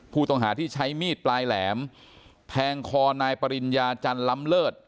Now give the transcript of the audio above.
ผู้ต้องหาที่ใช้มีดปลายแหลมแทงคอนายปริญญาจันล้ำเลิศ